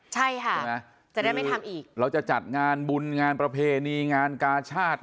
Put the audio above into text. ใช่ค่ะใช่ไหมจะได้ไม่ทำอีกเราจะจัดงานบุญงานประเพณีงานกาชาติ